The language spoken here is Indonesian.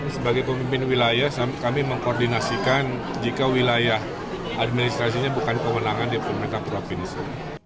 sebagai pemimpin wilayah kami mengkoordinasikan jika wilayah administrasinya bukan kewenangan di pemerintah provinsi